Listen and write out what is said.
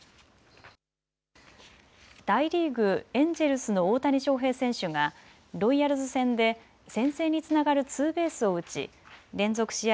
大リーグ、エンジェルスの大谷翔平選手がロイヤルズ戦で先制につながるツーベースを打ち連続試合